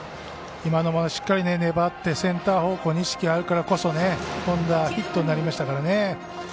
今のもしっかり粘ってセンター方向に意識があるからこそヒットになりましたからね。